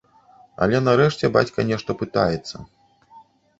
Але нарэшце бацька нешта пытаецца.